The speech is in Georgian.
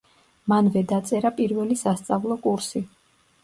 მანვე დაწერა პირველი სასწავლო კურსი.